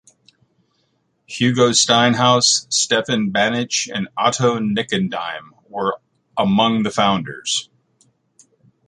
Hugo Steinhaus, Stefan Banach and Otto Nikodym were among the founders.